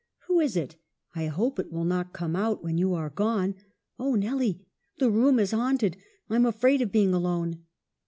Who is it ? I hope it will not come out when you are gone. Oh, Nelly ! the room is haunted ! I'm afraid of being alone.'